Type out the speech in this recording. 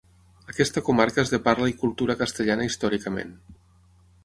Aquesta comarca és de parla i cultura castellana històricament.